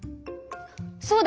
そうだ！